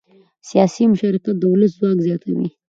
سیاسي مشارکت د ولس ځواک زیاتوي